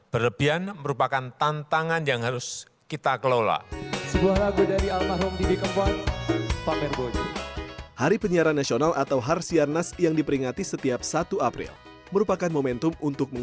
konsekuensinya keberlimpahan dan keterbukaan informasi adalah sebuah kebutuhan